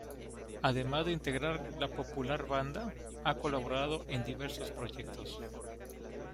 Además de integrar la popular banda, ha colaborado en diversos proyectos.